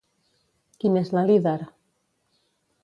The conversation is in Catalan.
Qui n'és la líder?